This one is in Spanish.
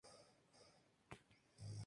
Son enredaderas con los brotes glabros.